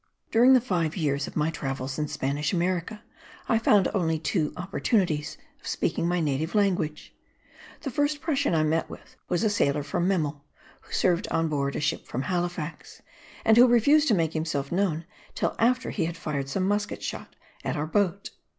During the five years of my travels in Spanish America I found only two opportunities of speaking my native language. The first Prussian I met with was a sailor from Memel who served on board a ship from Halifax, and who refused to make himself known till after he had fired some musket shot at our boat.